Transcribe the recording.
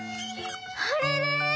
あれれ？